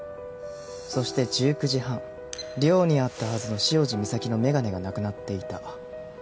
そして１９時半寮にあったはずの潮路岬の眼鏡がなくなっていた。